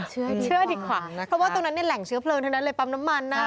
เพราะตรงนั้นแหล่งเชื้อเพลินเท่านั้นเลยปั๊มน้ำมัน